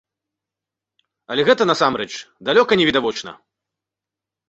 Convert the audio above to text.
Але гэта, насамрэч, далёка не відавочна.